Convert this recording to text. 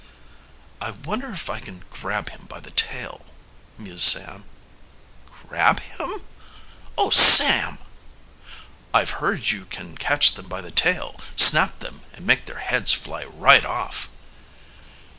"I wonder if I can grab him by the tail?" mused Sam. "Grab him? Oh Sam!" "I've heard you can catch them by the tail, snap them, and make their heads fly right off."